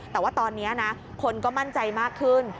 แต่ว่าตอนนี้นะคนก็มั่นใจมากขึ้น